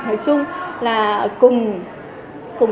nói chung là cùng